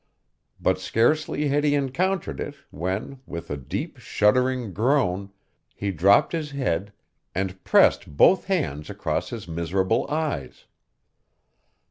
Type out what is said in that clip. But scarcely had he encountered it, when, with a deep, shuddering groan, he dropped his head, and pressed both hands across his miserable eyes.